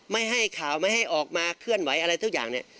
ไม่ให้ข่าวไม่ให้ออกมาเคลื่อนไหวอะไรทุกอย่างเนี่ย